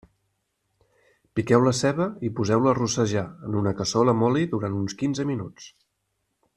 Piqueu la ceba i poseu-la a rossejar en una cassola amb oli durant uns quinze minuts.